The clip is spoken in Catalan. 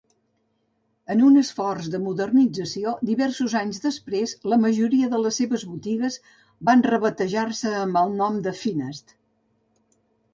En un esforç de modernització diversos anys després, la majoria de les seves botigues van rebatejar-se amb el nom de Finast.